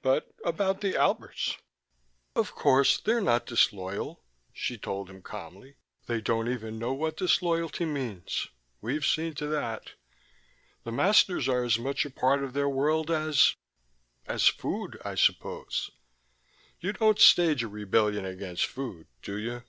But about the Alberts.... "Of course they're not disloyal," she told him calmly. "They don't even know what disloyalty means: we've seen to that. The masters are as much a part of their world as as food, I suppose. You don't stage a rebellion against food, do you?"